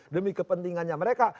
demi kepentingannya mereka